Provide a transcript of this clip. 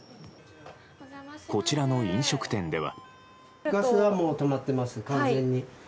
こちらの飲食店では。